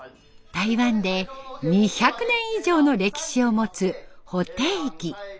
台湾で２００年以上の歴史を持つ布袋劇。